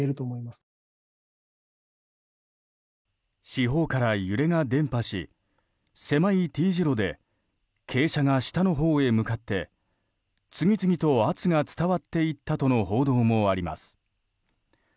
四方から揺れが伝播し狭いＴ字路で傾斜が下のほうへ向かって次々と圧が伝わっていったとの報道もあります。